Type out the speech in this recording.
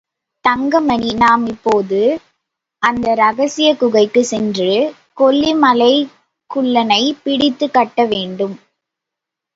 தங்கமணி, நாம் இப்போது அந்த ரகசியக் குகைக்குச் சென்று, கொல்லி மலைக் குள்ளனைப் பிடித்துக் கட்டவேண்டும்.